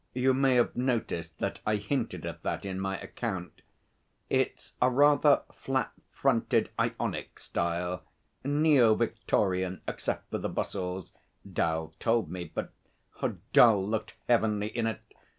You may have noticed that I hinted at that in my account. It's a rather flat fronted Ionic style neo Victorian, except for the bustles, 'Dal told me, but 'Dal looked heavenly in it!